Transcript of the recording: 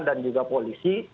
dan juga polisi